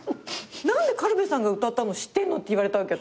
何で軽部さんが歌ったの知ってんの？って言われたわけ。